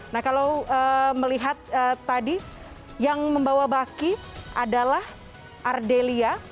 nah kalau melihat tadi yang membawa baki adalah ardelia